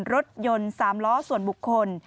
รถยนต์๓ล้อส่วนบุคคล